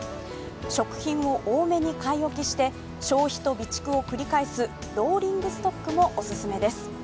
食品を多めに買い置きして、消費と備蓄を繰り返すローリングストックもおすすめです。